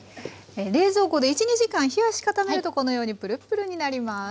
冷蔵庫で１２時間冷やし固めるとこのようにプルップルになります。